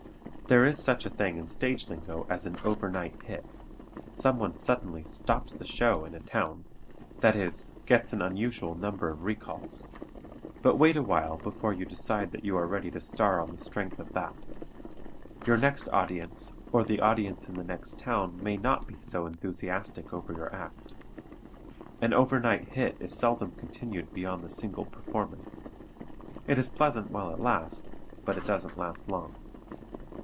There is such a thing in stage lingo as an "overnight hit." Someone suddenly "stops the show" in a town; that is, gets an unusual number of recalls. But wait a while before you decide that you are ready to star on the strength of that. Your next audience or the audience in the next town may not be so enthusiastic over your act. An "overnight hit" is seldom continued beyond the single performance. It is pleasant while it lasts, but it doesn't last long.